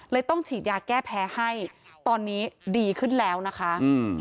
ต้องฉีดยาแก้แพ้ให้ตอนนี้ดีขึ้นแล้วนะคะอืม